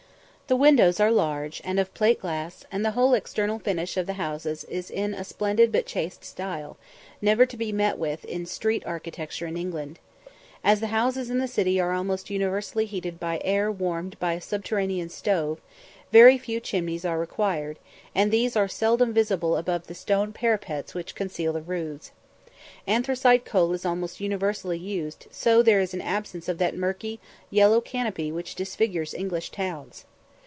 The windows are large, and of plate glass, and the whole external finish of the houses is in a splendid but chaste style, never to be met with in street architecture in England. As the houses in the city are almost universally heated by air warmed by a subterranean stove, very few chimneys are required, and these are seldom visible above the stone parapets which conceal the roofs. Anthracite coal is almost universally used, so there is an absence of that murky, yellow canopy which disfigures English towns.